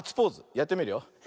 やってみるよ。